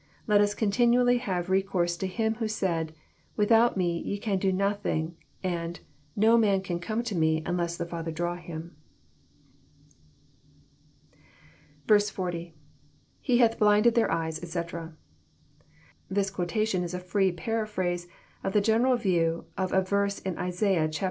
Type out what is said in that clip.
Let us continually have re course to Him who said, ' without Me ye can do nothing,' and, ' No man can come to Me, unless the Father draw him.* " 40. — [_He Thoth blinded their eyes, etc,'] This quotation is a free paraphrase of the general view of a verse in Isaiah vi.